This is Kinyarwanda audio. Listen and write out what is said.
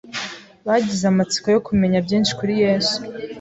Bagize amatsiko yo kumenya byinshi kuri Yesu